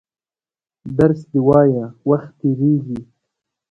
درس دي وایه وخت تېرېږي!